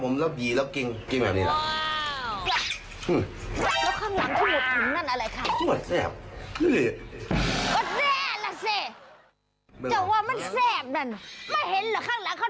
ไม่เห็นเหรอข้างหลังเขาทำอะไรกันนะค่ะ